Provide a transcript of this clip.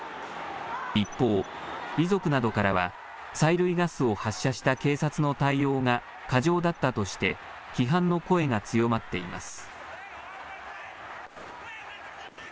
一方、遺族などからは催涙ガスを発射した警察の対応が、過剰だったとして、批判の声が強まっています。